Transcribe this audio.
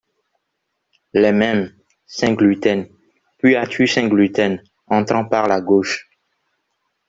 Les mêmes, Saint-Gluten ; puis Arthur Saint-Gluten , entrant par la gauche.